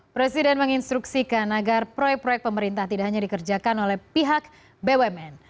presiden menginstruksikan agar proyek proyek pemerintah tidak hanya dikerjakan oleh pihak bumn